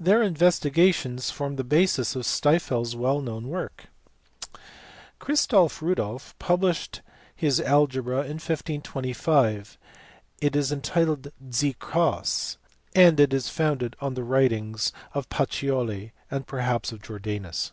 Their investigations form the basis of Stifel s well known work. Christoff Rudolff* published his algebra in 1525 ; it is entitled Die Coss, and is founded on the writings of Pacioli and perhaps of Jordanus.